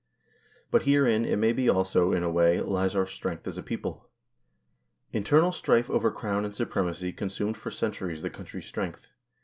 But herein, it may be also, in a way, lies our strength as a people. Internal strife over Crown and supremacy con sumed for centuries the country's strength.